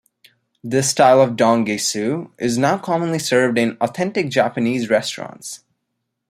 This style of "don-gaseu" is now commonly served in authentic Japanese restaurants.